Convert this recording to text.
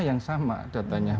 yang sama datanya